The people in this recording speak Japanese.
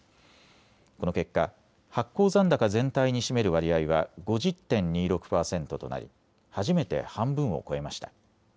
この結果、発行残高全体に占める割合は５０．２６％となり初めて半分を超えました。